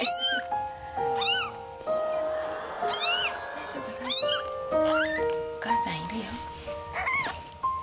大丈夫お母さんいるよ。